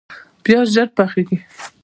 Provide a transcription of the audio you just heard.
پیاز ژر پخیږي